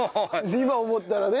今思ったらね。